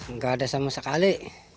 nggak ada sama sekali